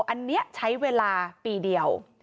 อันนี้ใช้เวลาปีเดียว